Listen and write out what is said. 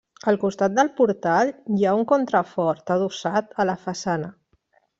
Al costat del portal hi ha un contrafort adossat a la façana.